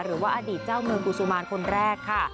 หรือว่าอดีตเจ้าเมืองกุศุมารคนแรกค่ะ